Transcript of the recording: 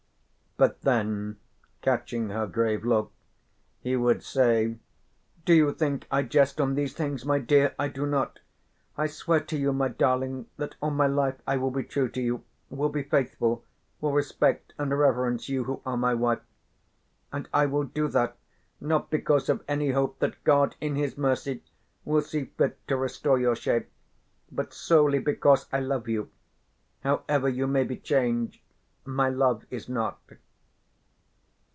But then, catching her grave look, he would say: "Do you think I jest on these things, my dear? I do not. I swear to you, my darling, that all my life I will be true to you, will be faithful, will respect and reverence you who are my wife. And I will do that not because of any hope that God in His mercy will see fit to restore your shape, but solely because I love you. However you may be changed, my love is not."